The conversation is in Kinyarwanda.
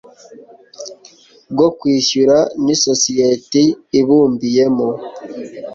bwo kwishyura n isosiyete ibumbiyemo